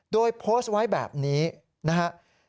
โดยโพสต์ไว้แบบนี้นะครับ